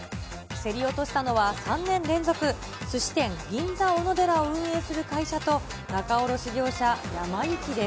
競り落としたのは３年連続、すし店、銀座おのでらを運営する会社と、仲卸業者、やま幸です。